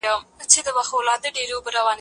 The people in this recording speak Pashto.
ټوله قصه ئې له پيله تر پايه پوري را نقل کړې ده.